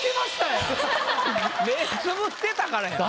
目つぶってたからや。